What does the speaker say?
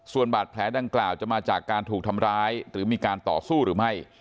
ส่วนบาดแผลดังกล่าวจะมาจากการถูกทำร้ายหรือมีการต่อสู้หรือไม่